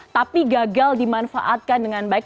tapi gagal dimanfaatkan dengan baik